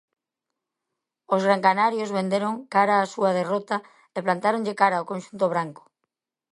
Os gran canarios venderon cara a súa derrota e plantáronlle cara ao conxunto branco.